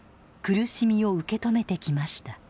苦しみを受け止めてきました。